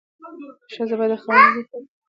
ښځه باید د خاوند اجازې پرته چا ته څه ورنکړي.